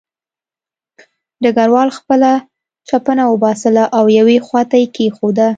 ډګروال خپله چپنه وباسله او یوې خوا ته یې کېښوده